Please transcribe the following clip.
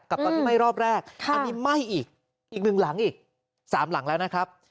ตอนที่ไหม้รอบแรกอันนี้ไหม้อีกอีกหนึ่งหลังอีก๓หลังแล้วนะครับ